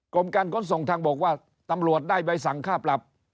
กรมการขนส่งทางบกว่าตำรวจได้ใบสั่งค่าปรับ